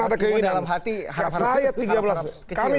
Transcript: saya tiga belas tahun bekerja